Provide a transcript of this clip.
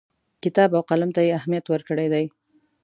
کتاب او قلم ته یې اهمیت ورکړی دی.